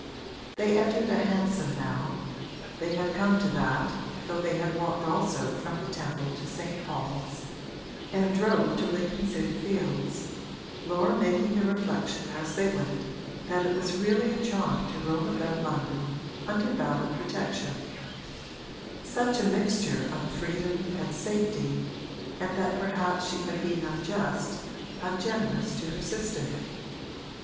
They entered a hansom now (they had to come to that, though they had walked also from the Temple to St. Paul's) and drove to Lincoln's Inn Fields, Laura making the reflection as they went that it was really a charm to roam about London under valid protection such a mixture of freedom and safety and that perhaps she had been unjust, ungenerous to her sister.